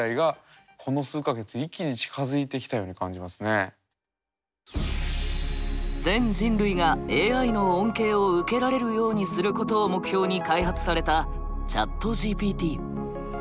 こうなると「全人類がＡＩの恩恵を受けられるようにする」ことを目標に開発されたＣｈａｔＧＰＴ。